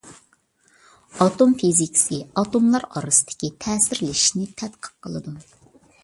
ئاتوم فىزىكىسى ئاتوملار ئارىسىدىكى تەسىرلىشىشنى تەتقىق قىلىدۇ.